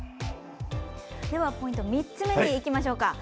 ではポイント３つ目にいきましょうか。